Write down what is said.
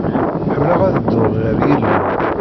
Ḥemmleɣ ad dduɣ ɣer yilel.